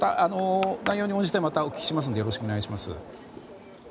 また内容に応じてまたお聞きしますのでよろしくお願いします。